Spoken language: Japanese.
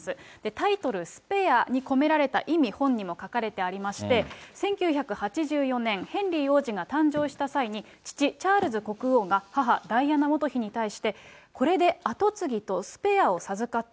タイトル、スペアに込められた意味、本にも書かれていまして、１９８４年、ヘンリー王子が誕生した際に、父、チャールズ国王が母、ダイアナ元妃に対して、これで跡継ぎとスペアを授かった。